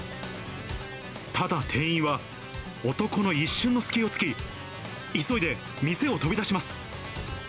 ただ、店員は男の一瞬の隙をつき、急いで店を飛び出します。